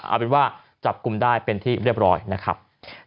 เอาเป็นว่าจับกลุ่มได้เป็นที่เรียบร้อยนะครับ